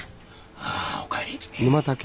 ああお帰り。